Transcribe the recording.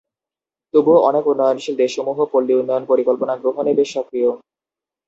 তবুও অনেক উন্নয়নশীল দেশসমূহ পল্লী উন্নয়ন পরিকল্পনা গ্রহণে বেশ সক্রিয়।